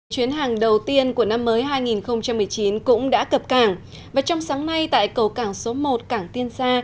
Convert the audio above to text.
chuyến hàng đầu tiên của năm mới hai nghìn một mươi chín cũng đã cập cảng và trong sáng nay tại cầu cảng số một cảng tiên sa